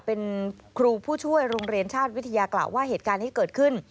เป็นครูผู้ช่วยโรงเรียนชาติวิทยากล่าวว่าเหตุการณ์ที่เกิดขึ้น